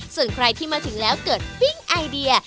ส่วนใครที่มาถึงแล้วเกิดปิ้งไอเดีย